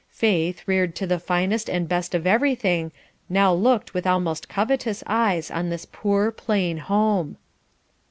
Faith, reared to the finest and best of everything, now looked with almost covetous eyes on this poor, plain home.